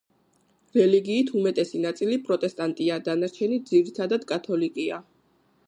რელიგიით უმეტესი ნაწილი პროტესტანტია, დანარჩენი ძირითადად კათოლიკეა.